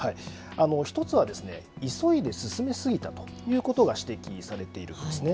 １つはですね、急いで進めすぎたということが指摘されているんですね。